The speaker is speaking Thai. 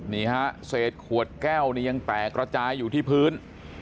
นี่ฮะเศษขวดแก้วนี่ยังแตกระจายอยู่ที่พื้น